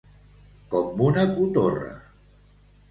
Com una cotorra.